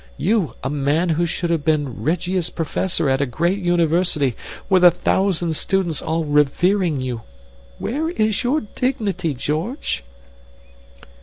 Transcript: You, a man who should have been Regius Professor at a great University with a thousand students all revering you. Where is your dignity, George?"